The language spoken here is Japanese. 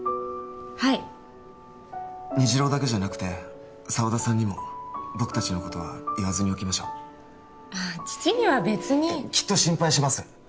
はい虹朗だけじゃなくて沢田さんにも僕達のことは言わずにおきましょう父には別にきっと心配します